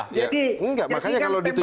jadi jadinya tempatannya jelas nih arahnya gitu